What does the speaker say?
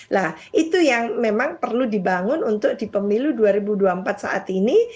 nah itu yang memang perlu dibangun untuk di pemilu dua ribu dua puluh empat saat ini